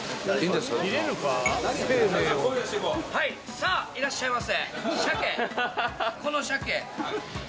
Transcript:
さあ、いらっしゃいませ。